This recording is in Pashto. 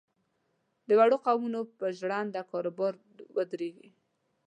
د وړو قومونو پر ژرنده کاروبار ودرېږي.